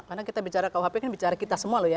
karena kita bicara kuhp kan bicara kita semua loh ya